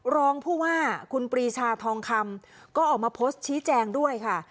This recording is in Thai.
รองผู้ว่าคุณปรีชาทองคำก็ออกมาโพสต์ชี้แจงด้วยค่ะ